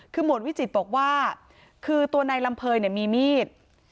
คือหมวดวิจิตรบอกว่าคือตัวนายลำเภยมีมีด